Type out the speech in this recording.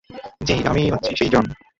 জ্বি, আমিই হচ্ছি সেইজন!